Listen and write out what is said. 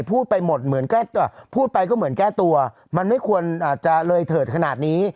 พูดไปหมดเหมือนก็พูดไปก็เหมือนแก้ตัวมันไม่ควรอาจจะเลยเถิดขนาดนี้